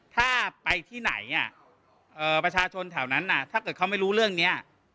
ถ้าไปที่ไหนประชาชนแถวนั้นถ้าเกิดเขาไม่รู้เรื่องนี้